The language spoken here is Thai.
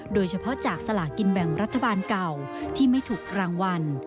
โดยเฉพาะจากสลากินแบ่งรัฐบาลเก่าที่ไม่ถูกรางวัล